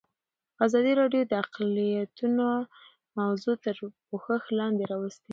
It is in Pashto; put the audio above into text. ازادي راډیو د اقلیتونه موضوع تر پوښښ لاندې راوستې.